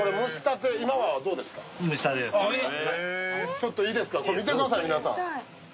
ちょっといいですか、見てください、皆さん。